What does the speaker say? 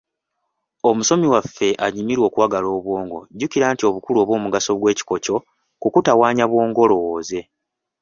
Omusomi waffe anyumirwa okuwagala obwongo, jjukira nti obukulu oba omugaso gw'ekikokko kukutawaanya bwongo olowooze.